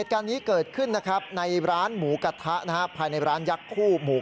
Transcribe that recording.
โทษทีโทษทีโทษทีโทษที